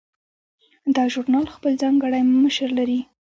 دا ژورنال خپل ځانګړی مشر لري.